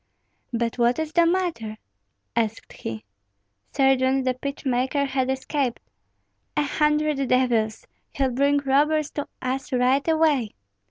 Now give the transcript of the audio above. "But what is the matter?" asked he. "Sergeant, the pitch maker has escaped." "A hundred devils! he'll bring robbers to us right away."